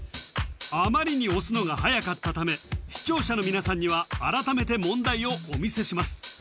あまりに押すのがはやかったため視聴者の皆さんには改めて問題をお見せします